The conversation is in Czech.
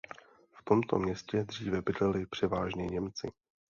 V tomto městě dříve bydleli převážně Němci.